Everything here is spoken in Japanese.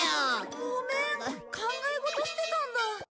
ごめん考えごとしてたんだ。